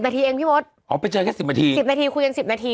นาทีเองพี่มดอ๋อไปเจอแค่สิบนาทีสิบนาทีคุยกันสิบนาที